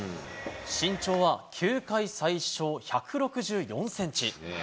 身長は球界最小１６４センチ。